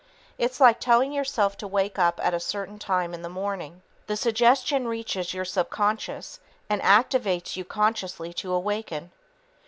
It's like telling yourself to wake up at a certain time in the morning. The suggestion reaches your subconscious and activates you consciously to waken.